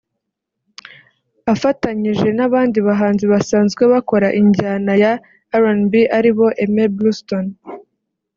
afatanyije n'abandi bahanzi basanzwe bakora injyana ya RnB ari bo; Aime Bluestone